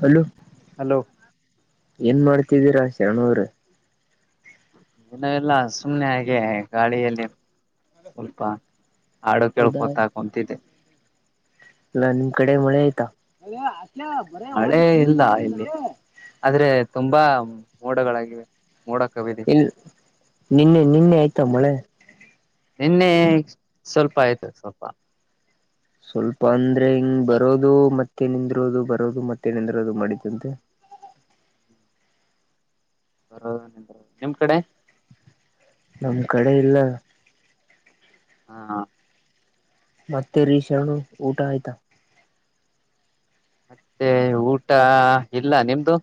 Hello. Hello. ಏನ್ ಮಾಡ್ತಿದ್ದೀರಾ ಶರಣೂ ಅವ್ರೆ. ಏನು ಇಲ್ಲ ಎಲ್ಲ ಸುಮ್ಮನೆ ಹಾಗೆ ಗಾಳಿಯಲ್ಲಿ ಸ್ವಲ್ಪ. ಹಾಡು ಕೇಳ್ಕೊತಾ ಕುಂತ್ತಿದ್ದೆ. ಅಲ್ಲ ನಿಮ್ ಕಡೆ ಮಳೆ ಆಯ್ತಾ. ಮಳೆ ಇಲ್ಲ ಇಲ್ಲಿ ಆದ್ರೆ ತುಂಬಾ ಮೋಡಗಳಾಗಿವೆ. ಮೋಡ ಕವಿದೆ ಇಲ್ಲ ನಿನ್ನೆ ನಿನ್ನೆ ಆಯ್ತಾ ಮಳೆ. ನಿನ್ನೆ ಸ್ವಲ್ಪ ಆಯ್ತು ಸ್ವಲ್ಪ. ಸ್ವಲ್ಪ ಅಂದ್ರೆ ಹಿಂಗ್ ಬರೋದು ಮತ್ತೇ ನಿಂದಿರೋದು ಬರೋದು ಮತ್ತೆ ನಿಂದಿರೋದು ಮಾಡಿದಂತೆ. ಹ್ಮ. ಬರೋದ ನಿಂದ್ರೋಡು ನಿಮ್ ಕಡೆ. ನಮ ಕಡೆ ಇಲ್ಲ. ಹಾ. ಮತ್ತೆ ರೀ ಶರಣು ಊಟ ಆಯ್ತ. ಮತ್ತೆ ಊಟ ಇಲ್ಲ ನಿಮ್ದು.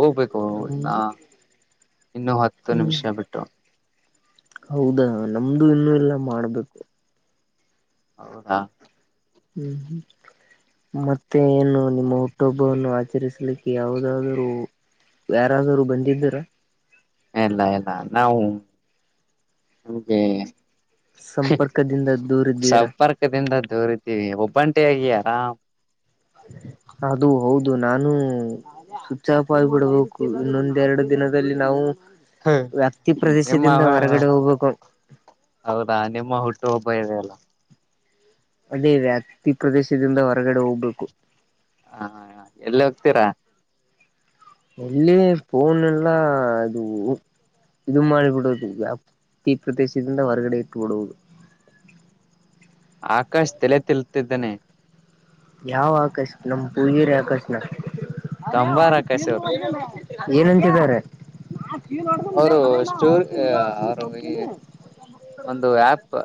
ಹೋಗ್ಬೇಕು ನಾ ನಮ್ದು ಇನ್ನುೂ ಹತ್ತು ಹ್ಮ್ ನಿಮಿಷ ಬಿಟ್ಟು. ಹೌದಾ ನಮ್ದು ಇನ್ನು ಇಲ್ಲಾ ಮಾಡ್ಬೇಕು. ಹೌದಾ. ಹ್ಮ್ ಹ್ಮ್. ಮತ್ತೆ ಏನು ನಿಮ್ಮ ಹುಟ್ಟುಹಬ್ಬವನ್ನು ಆಚರಿಸಲಿಕ್ಕೆ ಯಾವುದಾದರೂ. ಯಾರಾದ್ರು ಬಂದಿದ್ದರ. ಇಲ್ಲ ಇಲ್ಲ ನಾವು ನಿಮ್ಗೆ. ಸಂಪರ್ಕದಿಂದ ದೂರಿದ್ದೀರಾ ಸಂಪರ್ಕದಿಂದ. ದೂರ ಇದ್ದಿವಿ ಒಬ್ಬಂಟೆಯಾಗಿ ಆರಾಮ. ಅದು ಹೌದು ನಾನು. ಸ್ವಿಚ್ ಆಫ್ ಆಗಿ ಬಿಡಬೇಕು ಇನ್ನೊಂದೆರಡು ದಿನದಲ್ಲಿ ನಾವು. ವ್ಯಾಪ್ತಿ ಪ್ರ್ರದೇಶದಿಂದ ನಿಮ್ಮ ಹೊರಗಡೆ ಹೋಗೋಕ. ಶೋಬ ಇದೆ ಎಲ್ಲ. ಅದೇ ವ್ಯಾಪ್ತಿ ಪ್ರದೇಶದಿಂದ ಹೊರಗಡೆ ಹೋಗ್ಬೇಕು. ಹಾ ಎಲ್ಲಿ ಹೋಗ್ತೀರಾ. ಎಲ್ಲಿ ಪೋನು ಈಲ್ಲಾ ಅದು. ಇದು ಮಾಡಿಬಿಡುದು ವ್ಯಾಪ್ತಿ ಪ್ರದೇಶದಿಂದ ಹೊರಗಡೆ ಇಟ್ಟುಬಿಡುವುದು. [inaudible] ಆಕಾಶ್ ತೆಲೆ ತಿಳತ್ತಿದ್ದಾನೆ. ಯಾವ್ ಆಕಾಶ ನಮ್ಮ [unintelligible] ಆಕಾಶನ. ಕಂಬಾರ ಆಕಾಶ್ ಅವರು ಏನಂತಿದ್ದಾರೆ. ಹಾ ಕೀವ್ ನೋಡ್ರ ಇ ಅವರು ಬರೇನಾ ಹೊ ಸ್ಟೋರ್ ಇರಡ ಅವರು ಸೋತಿನಿ. ಒಂದು ಆ್ಯಪ್.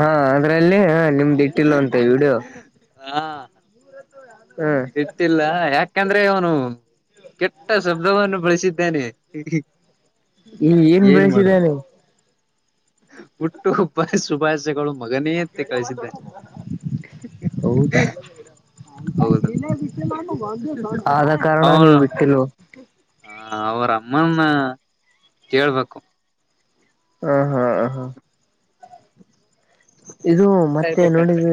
ಹಾ ಅದ್ರಲ್ಲಿ ನಿಮ್ದಿಟ್ಟು.. ವಿಡಿಯೋ. ಹ ಇರ್ತಿಲ್ಲ ಯಾಕಂದ್ರೆ. ಅವನು ಕೆಟ್ಟ ಶಬ್ದವನ್ನು ಬಳಸಿದ್ದೇನೆ. ಈ ಏನ್ ಮಾಡದು ಬೆಳೆಸಿದಾನೆ ಹುಟ್ಟುಹಬ್ಬ. ಶುಭಾಷಯಗಳು. ಹೌದಾ. ಹೌದು ಆದ ಕಾರಣ ನೀವು ಬಿಟ್ಟಿಲ್ವ. ಹ ಅವ್ರ ಅಮ್ಮನ್ನ ಕೇಳ್ಬೇಕು. ಹ್ಮ್ ಹ್ಮ್ ಹ್ಮ ಹ್ಮ. ಇದು ಮತ್ತೆ ಕಣ್ರಿ ನೋಡಿದ.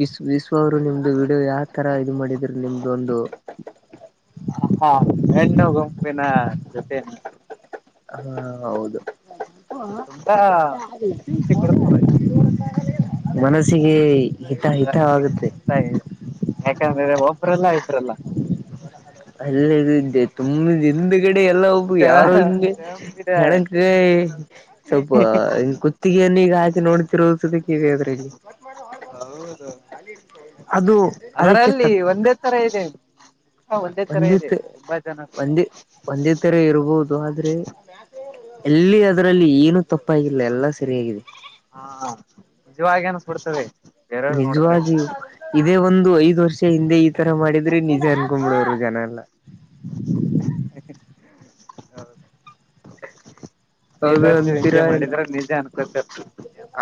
ವಿ್ ವಿಶ್ವ ಅವರು ನಿಮ್ದು ವಿಡಿಯೋ ಯಾವಥರ ಇದು ಮಾಡಿದ್ರ ನಿಮ್ದೊಂದು. ಹಾ ಹೆ್ಣು ಗುಂಪಿನ ಜೊತೆ. ಹಾ ಹೌದು. ಅದು ತುಂಬಾ ಖುಷಿ [unintelligible] ಕೊಡುತ್ತದೆ ಮನಸ್ಸಿಗೆ ಹಿತ ಹಿತವಾಗುತ್ತೆ. ಯಾಕಂದ್ರೆ ಒಬ್ರ ಎಲ್ಲ ಆಯ್ತು ಅಲ್ಲ ತುಂಬ ದಿಂದ ಡೆ ಎಲ್ಲ ಒಬ್ ಯಾರು ಹಿಂ ಇದೆ ಹೆಣಕಾಯಿ ಸ್ವಲ್ಪ ಹ ಕುತ್ತಿಗೆ. ನ್ ಈಗ ಆಾಕೆ ನೋಡ್ತಿರೋದುದಕ್ಕೆ ಈಗ ಅದ್ರಲ್ಲಿ. ಹೌದ ಅದು ಅದಕ್ಕೆ ಅದರಲ್ಲಿ ತಕ್ಕ ಒಂದೇ ತರ ಇದೆ. ಮುಖ ಒಂದೇ ತರ ಇದೆ ಒಂದಿತ್ತು ತುಂಬಾ ಜನ ಒಂದಿ ಒಂದಿ. ತರ ಇರಬಹುದು ಆದ್ರೆ ಎಲ್ಲಿ ಅದರಲ್ಲಿ ಏನು. ತಪ್ಪಾಗಿಲ್ಲ ಎಲ್ಲ ಸರಿಯಾಗಿದೆ. ಹಾ ನಿಜವಾಗಿ ಅನಸ್ಬಿಡ್ತದೆ. ನಿಜವ ಇದೇ ಒಂದು ಐದ್ ವರ್ಷ ಹಿಂದೆ ಈ ತರ ಮಾಡಿದ್ರೆ ನಿ. ಜನ್ ಕುಂಬಳೋರು ಜನ ಎಲ್ಲ. [unintelligible] ಹೌದು ್ರ್ತೀವಿ ಅಂತೀರಾ ಹಿಜೆ ಇಲ್ಲ ಮಾಡಿದ್ರೆ ನಿಜೇ ಅನ್ಸೆ.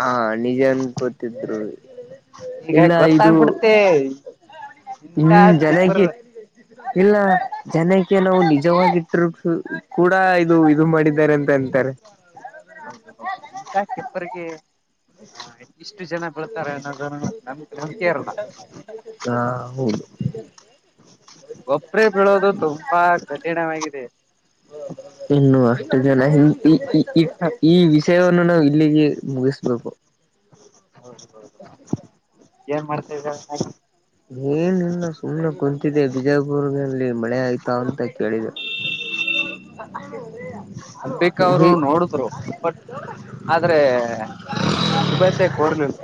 ಹಾ ನಿಜನ್ ಗೊತಿದ್ರು. ಈಗ ಗೊತ್ತಾಗಬಿಡತ್ತೆ. ಹ್ಮ್ ಜನಕ್ಕೆ ಇಲ್ಲ ಜನಕ್ಕೆ ನಾವು ನಿಜವಾಗಿಟ್ಟರು. ಕೂಡ ಇದು ಇದು ಮಾಡಿದ್ದಾರೆ ಅಂತ ಅಂತಾರೆ. ಹೌದು ಹೌದು ಇಂತ [unintelligible] ಎಷ್ಟು ಜನ ಬೆಳ್ತಾರೆನ್ನ ನಮ ನಮ ಕೇರಳ. ಹಾ ಹೌದು ಗಬ್ರ ಬೆೀಳೋದು ತುಂಬಾ ಕಠಿಣವಾಗಿದೆ. ಇನ್ನು ಅಷ್ಟು ಜನ ಹಪ. ಈ ಈ ವಿಷಯವನ್ನು ನಾವು ಇಲ್ಲಿಗೆ ಮುಗಿಸ್ಬೇಕು. ಹೌದು ಹೌದು ಏನ್ ಮಾಡ್ತ. ಏನ್ಲ್ಲ ಸುಮ್ನೆ ಕುಂತಿದೆ ಬಿಜಾಪುರಲ್ಲಿ ಮಳೆ ಆಯ್ತಾ ಅಂತ ಕೇಳಿದೆ. [unintelligible] [unintelligible] ಅಂಬಿಕಾ ಅವರು ಹೇ ನೋಡಿದ್ರು ಬಟ್ ಆದ್ರೆ. ಶುಭಾಶಯ ಕೋರ್ನಲ್.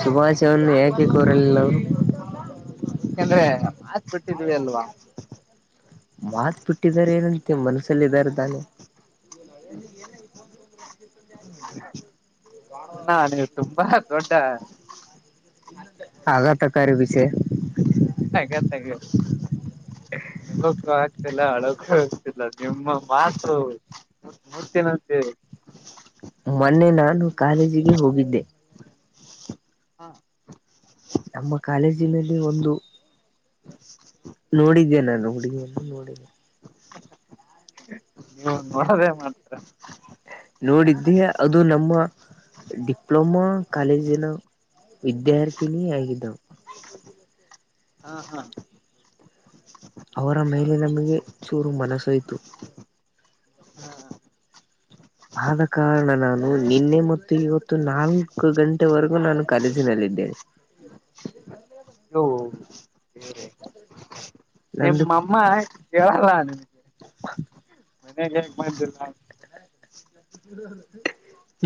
ಶುಭಾಷ್ ಅವಂದ ಯಾಕೆ ಕೂರಲಿಲ್ಲ. ಯಏಕಂದ್ರೆ ಮಾತ್ ಬಿಟ್ಟಿದ್ವಿ ಅಲ್ವಾ. ಮಾತ್ ಬಿಟ್ಟಿದಿದ್ದಾರೆ ಏನಂತೆ ಮನಸ. ಸಲಿ ಬರುತ ಅ್ಣ ನೀವು ತುಂಬಾ ದೊಡ್ಡ ಆಗತಕಾರಿ ವಿಷ ನಿಗ ಕ ಆಗ್ತಿಲ್ಲ ಹಳಕ್ಕ ಆಗ್ತಿಲ್ಲ ನಿಮ್ಮ ಮಾತು ಮೂತಿನಂತೆ ಮೊನ್ನೆ ನಾನು ಕಾಲೇಜಿಗೆ ಹೋಗಿದ್ದೆ ಹಾ ನಮ್ಮ ಕಾಲೇಜಿನಲ್ಲಿ ಒಂದು ಹ್ಮ ಏನ ನೋಡಿ ನೋಡಿ ನೀ ನೋಡೋದೇ ಮಾಡ್ತಾರ ನೋಡಿದ್ದೆ ಅದು ನಮ್ಮ ಡಿಪ್ಲೊಮಾ ಕಾಲೇಜಿನ ವಿದ್ಯಾರ್ಥಿನಿ ಆಗಿದ್ದಳು ಹಾ ಹಾ ಅವರ ಮೇಲೆ ನಮಗೆ ಚೂರು ಮನಸೊತ್ತು ಹಾ ಆದ ಇತ್ತು ನಾಲ್ಕು ಗಂಟೆವರೆಗೂ ನಾನು ಕಾಲೇಜಿನಲ್ಲಿದ್ದೇನೆ. ಸ [unintelligible] ನಂದು ನಿಮ್ಮ ಅಮ್ಮ ಕೇಳಲ್ಲ ಮನೆಗ್ ಹೇಗ್ ಮಾಡ್ [unintelligible]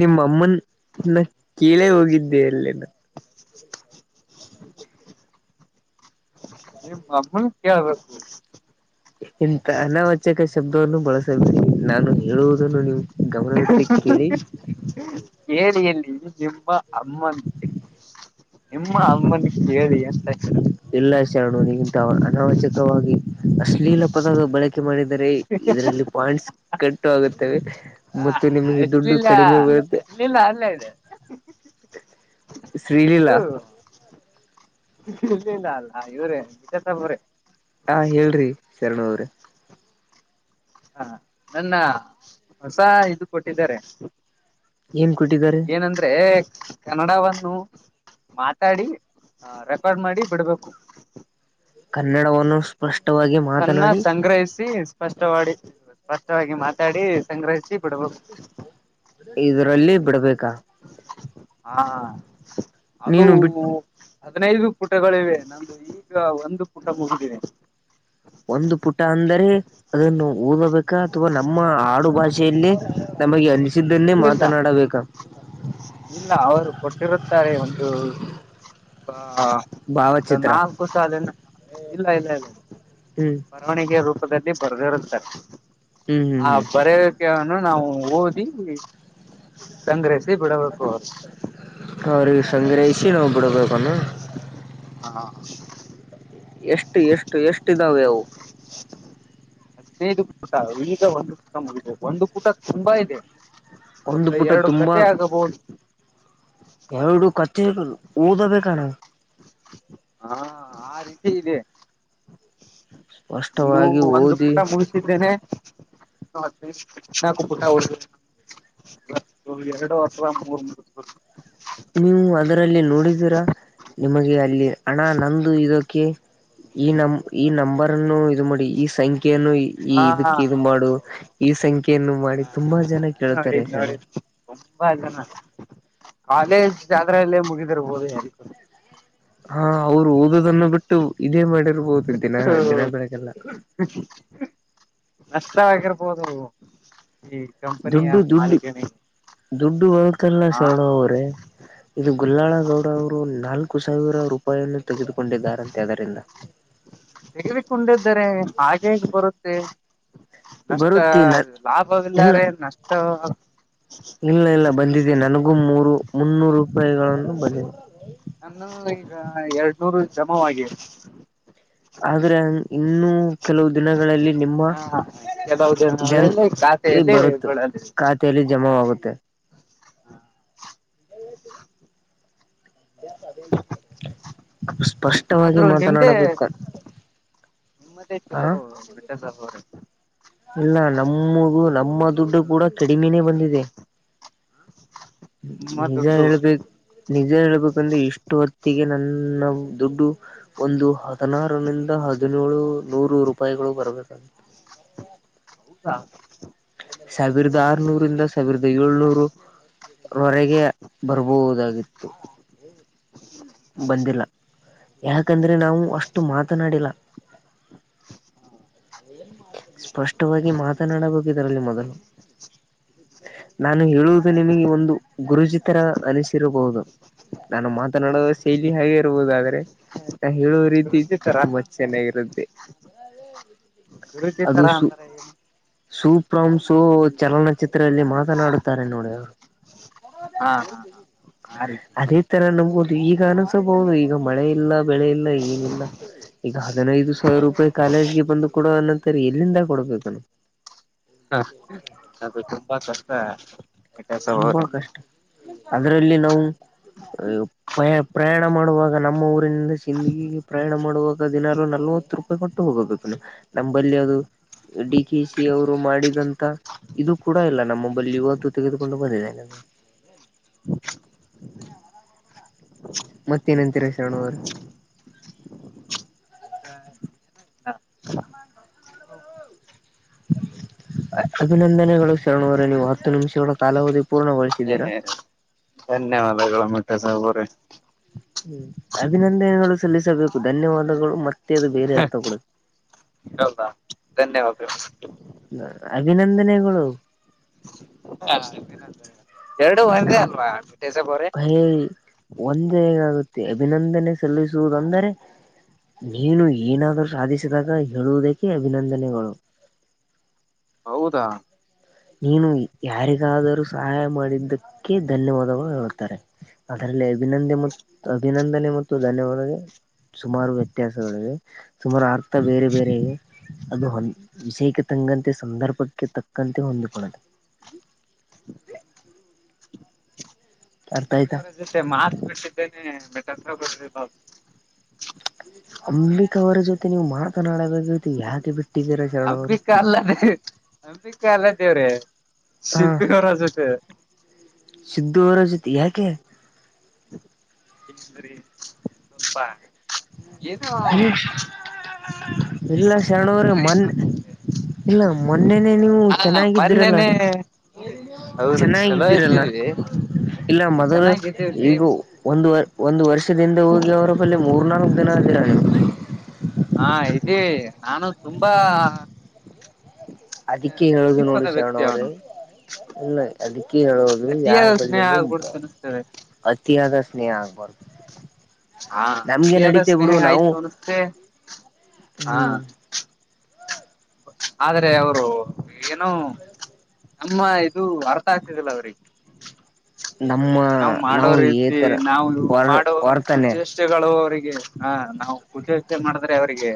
ನಿಮ್ಮಮ್ಮನ್ ನ ಕೇಳೇ ಹೋಗಿದ್ದೆ ಅಲ್ಲೇ ನ [inaudible] ನಿಮ್ಮನ್ ಕೇಳ್ಬೇಕು ಎಂತ ಅನಾವಚಕ ಶಬ್ದವನ್ನು ಬಳಸಬೇಡಿ ನಾನು ಹೇಳುವುದನ್ನು ನೀವು ಗಮನವಿಟ್ಟಿ ಕೇಳಿ ಹೇಳಿ ಅಲ್ಲಿ ನಿಮ್ಮ ಅಮ್ಮನ್ ನಿಮ್ಮ ಅಮ್ಮನ ಕೇಳಿ ಅಂತ [unintelligible] ಎಲ್ಲಾ ಶರಣು ಇಂತ ಅನಾವಚಕವಾಗಿ ಅಶ್ಲೀಲ ಪದ ಬಳಕೆ ಮಾಡಿದರೆ ಇದರಲ್ಲಿ ಪಾಯಿಂಟ್ಸ್ ಕಟ್ಟು ಆಗುತ್ತವೆ. ಮತ್ತೆ ನಿಮಗೆ ದುಡ್ಡು ಕಡಿಮೆ ಬರುತ್ತೆ. ಅಲ್ಲೆ ಇದೆ. ಶ್ರೀಲೀಲಾ ಶ್ರೀಲೀಲಾ ಅಲ್ಲ ಇವ್ರೇ [unintelligible] ಅವ್ರೇ ಹಾ ಹೇಳ್ರಿ ಶರಣು ಅವ್ರೆ ಹಾ ನನ್ನ ಹೊಸ ಇದು ಕೊಟ್ಟಿದ್ದಾರೆ ಏನ್ ಕೊಟ್ಟಿದ್ದಾರೆ ಏನಂದ್ರೆ ಕನ್ನಡಾವ [unintelligible] ಮಾತಾಡಿ ರೆಫರ್ ಮಾಡಿ ಬಿಡ್ಬೇಕು ಕನ್ನಡವನ್ನು ಸ್ಪಷ್ಟ ಅದನ್ನ ಸಂಗ್ರಹಿಸಿ ಸ್ಪಷ್ಟವಾಡ್ಡಿ ಬಿಡ್ಬೇಕು. ಸ್ಪಷ್ಟವಾಗಿ ಮಾತಾಡಿ ಸಂಗ್ರಹಿಸಿ ಬಿಡ್ಬೇಕು. ಇದರಲ್ಲಿ ಬಿಡಬೇಕಾ ಹಾ ಅದು ನೀನು ಬಿಟ್ ಹದಿನೈದು ಪುಟಗಳಿವೆ ನಂದು ಈಗ ಒಂದು ಪುಟ ಮುಗಿದಿದೆ. ಒಂದು ಪುಟ ಅಂದರೆ ಅದನ್ನು ಓದಬೇಕಾ ಅಥವಾ ನಮ್ಮ ಆಡು [unintelligible] ಯಲ್ಲಿ ನಮಗೆ ಅನಿಸಿದ್ದನ್ನೇ ಇಲ್ಲಿಲ್ಲ ಮಾತನಾಡಬೇಕಾ. ಇಲ್ಲ ಅವರು ಕೊಟ್ಟಿರುತ್ತಾರೆ ಒಂದು [unintelligible] ಹಾ ಅ ಭಾವಚಿತ್ರ ನಾಲ್ಕು ಸಾಲಿನ ಇಲ್ಲ ಇಲ್ಲ ಇಲ್ಲ ಹ್ಮ್ ಬರವಣಿಗೆ ರೂಪದಲ್ಲಿ ಬರೆದಿರುತ್ತಾರೆ ಹ್ಮ್ ಹ್ಮ್ ಆ ಹ್ಮ್ ಬರೆಯಕ್ಕೆ ದನ್ನು ನಾವು ಓದಿ ಸಂಗ್ರಹಿಸಿ ಬಿಡಬೇಕು ಅವ್ರರು ಅವರಿಗೆ ಸಂಗ್ರಹಿಸಿ ನಾವು ಬಿಡಬೇಕನ್ನು ಹಾ ಎಷ್ಟು ಎಷ್ಟು ಎಷ್ಟಿದ್ದಾವೆ ಅವು ಹದೈದು ಪುಟ ಈಗ ಒಂದು ಪೂಟ ಮುಗಿದಿದೆ ಒಂದು ಪುಟ ತುಂಬಾ ಇದೆ. ಒಂದು ಪುಟ ಎರಡು ತುಂಬಾ ಕತೆೆ ಆಗಬಹುದು ಎರಡು ಕತ್ತಿನಾ ಓದಬೇಕಣ್ಣ ಹಾ ಆ ರೀತಿ ಇದೆ. ಇನ್ನು ಸ್ಪಷ್ಟವಾಗಿ ಒಂದು ಓದಿ ಪುಟ ಮುಗಿಸಿದ್ದೇನೆ ಇನ್ನೂ [unintelligible] ಪುಟ ಉಳಿದಿದೆ. ಇವತ್ ಎರಡು ಅಥವಾ ಮೂರ್ ಮುಗಸಬೇಕು. ಹ್ಮ್ ನೀವು ಅದರಲ್ಲಿ ನೋಡಿದೀರಾ ನಿಮಗೆ ಅಲ್ಲಿ ಹಣ ನಂದು ಇದಕ್ಕೆ ಈ ನಮ್ ಈ ನಂಬರ್ನ್ನು ಇದು ಮಾಡಿ ಈ ಸಂ ಖ್ಯಯನ್ನು ಈ ಹಾ ಇದಕ್ಕೆ ಇದು ಮಾಡು ಹೌದೌದು ಈ ಸಂಖ್ಯೆ ನು ಮಾಡಿ ಹ ತುಂಬಾ ಜನ ಕೇಳ್ತಾರೆ ನೋಡಿದ್ ಶರಣು. ನೋಡಿದ್ ತುಂಬಾ ಜನ ಕಾಲೇಜ್ ಅದ್ರಲ್ಲೇ ಮುಗಿದಿರ್ಬೋದು ಯಾರಗೊತ್ತು. ಹಾ ಅವ್ರು ಓದೋದನ್ನು ಬಿಟ್ಟು ಇದೇ ಮಾಡರು. ಹೌದು ದಿನ ಎಷ್ಟು ದಿನ ಬೆಳಗೆಲ್ಲ. ನಷ್ಟ ಆಗಿರ್ಬೋದು. ಕಂಪನಿಯ ದುಡ್ಡು ದುಡ್ಡು ಮಾಲಿಕ - ದುಡ್ಡು ಹೋಗ್ತಿಲ್ಲ ಶರಣ ಅವ್ರೇ. ಇದು ಗುಲ್ಲಾಳಗೌಡ ಅವ್ರು ನಾಲ್ಕು ಸಾವಿರ ರೂಪಾಯಿಯನ್ನು ತೆಗೆದುಕೊಂಡಿದ್ದಾರಂತೆ ಅದರಿಂದ. ತೆಗಿದುಕೊಂಡಿದ್ದಾರೆ. ಹಾಗೇಗ್ ಬರುತ್ತೆ ನಷ್ಟ ಬರುತ್ತೆ ನ ಇಲ್ಲ ಲಾಭವಿಲ್ಲಾರೆ ನಷ್ಟ. ಇಲ್ಲ ಇಲ್ಲ ಬಂದಿದೆ ನನ್ಗೂ ಮೂರು ಮುನ್ನೂರು. ರೂಪಾಯಿಗಳನ್ನು ಬಂದಿದೆ ನಮ್ದು ಈಗ ಎರಡ್ನೂರು ಜಮವಾಗಿದೆ. ಆದ್ರೆ ಇನ್ನುೂ ಕೆಲವು ದಿನಗಳಲ್ಲಿ ನಿಮ್ಮ. ಹ ಕೆಲವು ದಿನಗಳಲ್ಲಿ ಜಲ್ದಿ ಖಾತೆಯಲ್ಲಿ ಬರುತ್ ಬೀಳಲಿದೆ ಖಾತೆಯಲ್ಲಿ ಜಮಾ ಆಗುತ್ತೆ. ಹ್ಮ ಸ್ಪಷ್ಟವಾಗಿ ಮಾತನಾಡಬೇಕ. ನಿಮ್ಮತ್ತೆ [unintelligible] ಇಲ್ಲ ನಮ್ಮಗೂ ನಮ್ಮ ದುಡ್ಡು ಕೂಡ ಕಡಿಮೆನೇ ಬಂದಿದೆ. ನಿಮ್ಮ ನಿಜ ದುಡ್ಡು ಹೇಳ್ಬೇಕ್ ನಿಜ ಹೇಳ್ಬೇಕಂದ್ರೆ ಇಷ್ಟು ಹೊತ್ತಿಗೆ ನ ಹು ನಮ್ ದುಡ್ಡು ಒಂದು ಹದಿನಾರನಂದ ಹದಿನೇಳು ನೂರು ರೂಪಾಯಿಗಳು ಬರಬೇಕ. ಹಾ ಸಾವಿರದ ಆರ್ನೂರಿಂದ ಸಾವಿರದ ಏಳ್ನೂರು. ಹೊರೆಗೆ ಬರ್ಬಹುದಾಗಿತ್ತು. ಬಂದಿಲ್ಲ ಯಾಕಂದ್ರೆ ನಾವು ಅಷ್ಟು ಮಾತನಾಡಿಲ್ಲ. ಹಾ ಸ್ಪಷ್ಟವಾಗಿ ಮಾತನಾಡಬೇಕುದರಲ್ಲಿ ಮೊದಲು. ನಾನು ಹೇಳುವುದು ನಿಮಗೆ ಒಂದು ಗುರುಜಿ ತರ ಅನಿಸಿರಬಹುದು. ನಾನು ಮಾತನಾಡುವ ಶೈಲಿ ಹಾಗೆ ಇರ್ಬೋದು ಆದ್ರೆ. ಹೇಳೋ ರೀತಿ ಗುರುಜಿ ತರ ತುಂಬಾ ಚೆನ್ನಾಗಿರುತ್ತೆ. ಗುರುಜಿ ತರ ಅಂದ್ರೆ ಸೂ ಪ್ರಾಮ್ ಸೂ ಚಲನಚಿತ್ರದಲ್ಲಿ ಮಾತನಾಡುತ್ತಾರೆ ನೋಡ. ಹಾ ಹಾ ಹಾ ಆ ರೀತಿ ಅದೇ ತರ ನಮ್ಗು ಈಗ ಅನ್ಸಬಹುದು ಈಗ ಮಳೆ ಇಲ್ಲ. ಬೆಳೆ ಇಲ್ಲ ಏನಿಲ್ಲ ಈಗ ಹದಿನೈದು ಸಾವಿರ ರೂಪಾಯಿ ಕಾಲೇಜ್ಗೆ ಬಂದು ಕಡ ಅ ಅದು ಎಲ್ಲಿಂದ ಕೊಡ್ಬೇಕ್- ಹ ಅದು ತುಂಬಾ ಕಷ್ಟ ಕೆಲಸ ಅವ್ರೆ ಅಂದ್ರೆ ಇಲ್ಲಿ ನಾವು. ಯ ಪ ಪ್ರಯಾಣ ಮಾಡುವಾಗ ನಮ್ಮ ಊರಿನಿಂದ ಜಿಂದ್ಗಿ ಪ್ರಯಾಣ ಮಾಡುವಾಗ ದಿನಲು ನಲ್ - - ಮೂವತ್ತು ರೂಪಾಯಿ ಕೊಟ್ಟು ಹೋಗಬೇಕು ನಂಬಲ್ಲಿ ಅದು. ಡಿ ಕೆ ಸಿ ಅವರು ಮಾಡಿದಂತ ಇದು ಕೂಡ ಇಲ್ಲ ನಮ್ಮಬಳಿ ಇವತ್ತು. [unintelligible] [inaudible] ಮತ್ತೇನಂತಿರ ಶ್ರರಣ ಅವ್ರೆ [unintelligible] ಅಭಿನಂದನೆಗಳು ಶ ಶರಣವ್ರೆ ನೀವು ಹತ್ತು ನಿಮಿಷಗಳ ಕಾಲಾವಧಿ ಪೂರ್ಣಗೊಳಿಸಿದ್ದೀರಾ. ಏ ಧನ್ಯವಾದಗಳು [unintelligible] ಹ್ಮ್ ಅಭಿನಂದನೆಗಳು ಸಲ್ಲಿಸಬೇಕು ಧನ್ಯವಾದಗಳು ಮತ್ ಮತ್ತೇ ಇದು ಬೇರೆ ಅರ್ಥ ಕೊಡುತ್- ಧನ್ಯವಾದ. ಅಭಿನಂದನೆಗಳು. ಎರಡು ಒಂದೆ ಅಲ್ವಾ. ಸಾಬ್ ಅವ್ರೆ ಹ ಒಂದೇ ಹೇಗಾಗುತ್ತೆ ಅಭಿನಂದನೆ ಸಲ್ಲಿಸುವುದುಂದರೆ. ನೀನು ಏನಾದರೂ ಸಾಧಿಸಿದಾಗ ಹೇಳುವುದಕ್ಕೆ ಅಭಿನಂದನೆಗಳು ಹೌದಾ ನೀನು ಯಾರಿಗಾದರೂ ಸಹಾಯ ಮಾಡಿದ್ದಕ್ಕೆ ಧನ್ಯವಾದಗಳು ಹೇಳ್ತಾರೆ ಅದರಲ್ಲಿ ಅಭಿನಂದನೆ ಮತ್ತು ಅಭಿನಂದನೆ ಮತ್ತು ಧನ್ಯವಾದ ಸುಮಾರು ವ್ಯತ್ಯಾಸಗಳೆ ಸುಮಾರು ಅರ್ಥ ಬೇರೆ ಬೇರೆ ಅದು ವಿಷಯಕ ಹಂಗಂತೆ ಸಂದರ್ಭಕ್ಕೆ ತಕ್ಕಂತೆ ಹೊಂದಿಕಡದು [inaudible] ಅರ್ಥ ಸಿದ್ದು ಆಯ್ತಾ ಅವರ ಜೊತೆ ಮಾತು ಕೊಟ್ಟಿದ್ದೇನೆ ಬೇಕಾದ [inaudible] ಸಿದ್ದು ಅವರ ಜೊತೆ ನೀವು ಮಾತನಾಡಬೇಕ ಯಾಕೆ ಬಿಟ್ಟು ಅಂಬಿಕಾ ಅಲ್ಲದೆೇ ಅಂಬಿಕಾ ಅಲ್ಲ ದೇವ್ರೆ ಹಾ ಸಿದ್ದು ಅವರ ಜೊತೆ ಸಿದ್ದು ಅವರ ಜೊತೆ ಯಾಕೆ [unintelligible] ಸ್ವಲ್ಪ ಇಲ್ಲ ಸಣ್ಣಂತ ಶರಣವ್ರ ಆಯ್ತು ಮೊನ್ನೆ ಅನ್ಸುತ್ತೆ ಇಲ್ಲ ಮೊನ್ನೆನೆ ನೀವು ಹಾ ಚೆನ್ನಾಗಿದ್ದೀರಲ್ಲ ಮೊನ್ನೆನೆ ಹೌದು ಚಲೋ ಚೆನ್ನಾಗಿದ್ದೀರಲ್ಲ ಇದ್ದೀವಿ ಇಲ್ಲ ಮದರ ಚೆನ್ನಾಗಿದ್ದೀವ್ರಿ ಈಗ ಒಂದು ಒಂದು ವರ್ಷದಿಂದ ಹೋಗಿ ಅವರ ಕಲ್ಲಿ ಮೂರ್ನಾಕ [unintelligible] ಅದೇ ನಾನು ತುಂಬಾ ಅದಿಕ್ಕೆ ಹೇಳುದು ನೋಡಿ ಸಮೀಪದ ವ್ಯಕ್ತಿ ಶರಣವ್ರೇ ಅವನು ಇಲ್ಲ ಅದಕ್ಕೆ ಹೇಳೋುದು ಯಾವ ಅತಿಯಾದ ಸ್ನೇಹ ಬಳೂ ಆಗ್ಬಿಡ್ತ ಅನಿಸ್ತದೆ ಅತಿಯಾದ ಸ್ನೇಹ ಆಗ್ಬಾರದು [inaudible] ಹಾ ಅದ ನಡೀತೆ ಸ್ನೇಹ ಬಿಡು ನಾವು ಆಯ್ತು ಅನಷ್ಟೆ ಹಾ ಹ್ಮ್ ಆದ್ರೆ ಅವರು ಏನೋ ಅಮ್ಮ ಇದು ಅರ್ಥ ಆಗ್ತದಿಲ್ಲ ಅವ್ರಿಗೆ ನಮ್ಮ ನಾವ್ ಮಾಡೋ ನಾವು ರೀತಿ ಏತರ ನಾವು ವರ್ ವರ್ತನೆ ಮಾಡೋಚೇಷ್ಟೆಗಳುರಿಗೆ ಹಾ ನಾವು ಖುಷಿಯಚ ಮಾಡಿದ್ರೆ ಅವರಿಗೆ